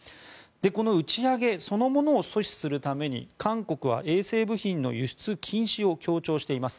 この打ち上げそのものを阻止するために、韓国は衛星部品の輸出禁止を強調しています。